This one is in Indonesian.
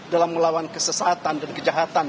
dalam melawan kesesatan dan kejahatan